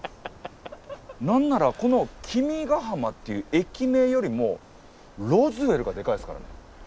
何ならこの「きみがはま」っていう駅名よりも「ロズウェル」がでかいですからね。